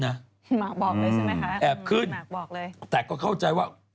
หมากบอกเลยใช่ไหมคะหมากบอกเลยแอบขึ้นแต่ก็เข้าใจว่า